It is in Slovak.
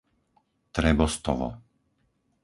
Trebostovo